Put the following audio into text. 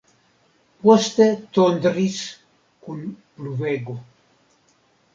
Poste tondris kun pluvego.